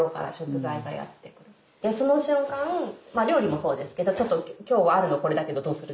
まあ料理もそうですけど「ちょっと今日はあるのこれだけどどうする？」